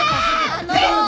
あの。